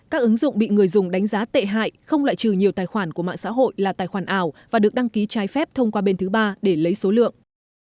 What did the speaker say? các ứng dụng bị người dùng đánh giá tệ hại không lại trừ nhiều tài khoản của mạng xã hội là tài khoản ảo và được đăng ký trái phép thông qua bên thứ ba để lấy số lượng